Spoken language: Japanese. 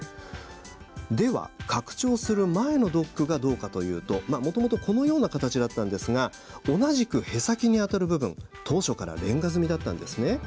では拡張する前のドックがどうかというともともと、このような形でしたが同じくへさきにあたる部分当初からレンガ積みだったんです。